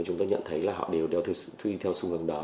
chúng ta nhận thấy là họ đều đều thuy theo sư hướng đó